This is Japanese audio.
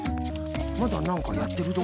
まだなんかやってるぞ。